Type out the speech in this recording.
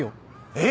えっ？